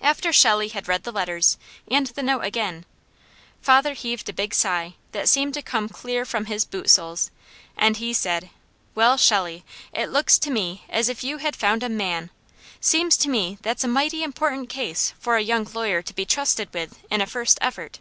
After Shelley had read the letters, and the note again, father heaved a big sigh that seemed to come clear from his boot soles and he said: "Well Shelley, it looks to me as if you had found a MAN. Seems to me that's a mighty important case for a young lawyer to be trusted with, in a first effort."